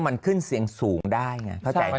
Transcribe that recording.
มันขึ้นเสียงสูงได้ไงเข้าใจไหม